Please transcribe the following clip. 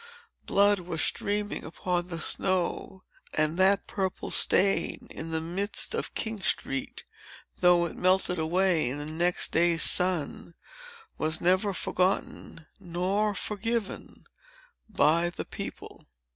Blood was streaming upon the snow; and that purple stain, in the midst of King Street, though it melted away in the next day's sun, was never forgotten nor forgiven by the people.